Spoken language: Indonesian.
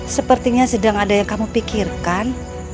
sepertinya sedang ada yang kamu pikirkan